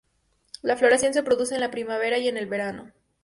La floración se produce en la primavera y en el verano.